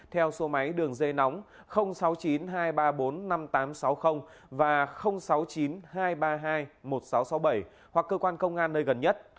theo số máy đường dây nóng sáu mươi chín hai trăm ba mươi bốn năm nghìn tám trăm sáu mươi và sáu mươi chín hai trăm ba mươi hai một nghìn sáu trăm sáu mươi bảy hoặc cơ quan công an nơi gần nhất